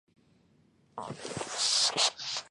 他还试图追杀试图报警的吴新国。